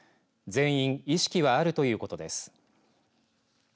全員意識はあるということです。